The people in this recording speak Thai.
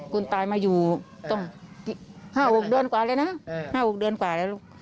คุณตายมาอยู่ต้อง๕๖เดือนกว่าเลยนะ๕๖เดือนกว่าแล้วลูก